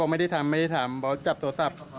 ก็บอกไม่ได้ทำไม่ได้ถามบอกจับโทรศัพท์